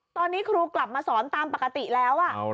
ตอนนี้ครูกลับมาสอนตามปกติแล้ว